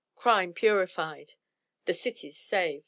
Crime purified. The cities saved.